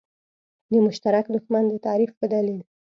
د مشترک دښمن د تعریف په دلیل.